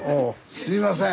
すいません。